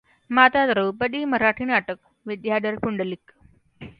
माता द्रौपदी मराठी नाटक, विद्याधर पुंडलिक